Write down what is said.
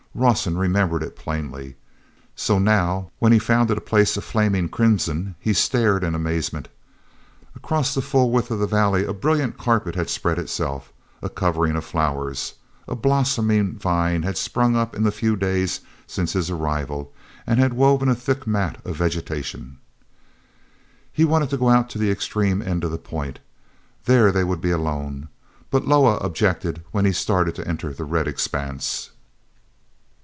Rawson remembered it plainly. So now, when he found it a place of flaming crimson, he stared in amazement. Across the full width of the valley a brilliant carpet had spread itself, a covering of flowers. A blossoming vine had sprung up in the few days since his arrival and had woven a thick mat of vegetation. He wanted to go on out to the extreme end of the point. There they would be alone. But Loah objected when he started to enter the red expanse.